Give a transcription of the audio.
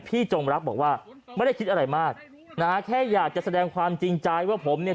จงรักบอกว่าไม่ได้คิดอะไรมากนะฮะแค่อยากจะแสดงความจริงใจว่าผมเนี่ย